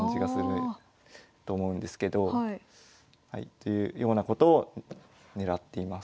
というようなことを狙っています。